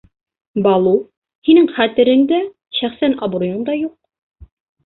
— Балу, һинең хәтерең дә, шәхсән абруйыңда юҡ.